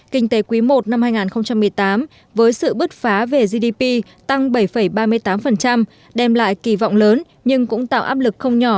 kinh tế quý i năm hai nghìn một mươi tám với sự bứt phá về gdp tăng bảy ba mươi tám đem lại kỳ vọng lớn nhưng cũng tạo áp lực không nhỏ